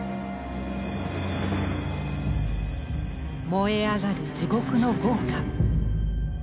燃え上がる地獄の業火。